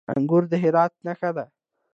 انګور د هرات نښه ده.